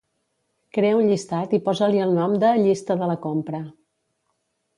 Crea un llistat i posa-li el nom de "llista de la compra".